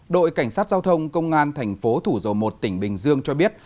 đội cảnh sát giao thông công an tp thủ dầu một tỉnh bình dương cho biết